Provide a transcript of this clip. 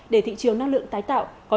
để thị trường năng lượng tái tạo